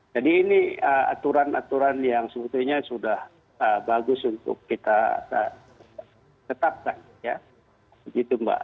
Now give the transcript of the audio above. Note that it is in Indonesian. jadi ini aturan aturan yang sebetulnya sudah bagus untuk kita tetapkan